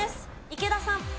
池田さん。